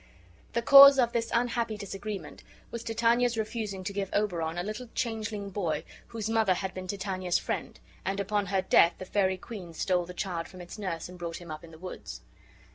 The cause of this unhappy disagreement was Titania's refusing give Oberon a little changeling boy, whose mother had been Titania's friend; and upon her death the fairy queen stole the child from its nurse and brought him up in the woods.